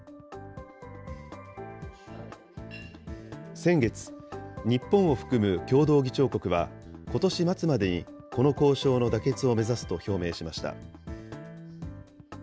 先月、日本を含む共同議長国は、ことし末までにこの交渉の妥結を目指すと表明しました。